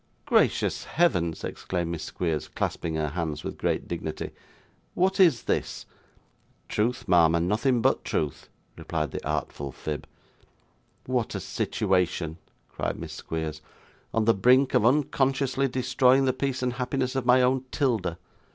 'Gracious heavens!' exclaimed Miss Squeers, clasping her hands with great dignity. 'What is this?' 'Truth, ma'am, and nothing but truth,' replied the artful Phib. 'What a situation!' cried Miss Squeers; 'on the brink of unconsciously destroying the peace and happiness of my own 'Tilda.